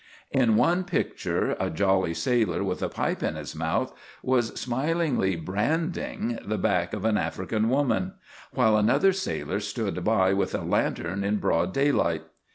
In one picture a jolly sailor with a pipe in his mouth was smilingly branding the back of an African woman, while another sailor stood by with a lantern in broad daylight.